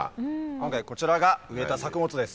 今回こちらが植えた作物です。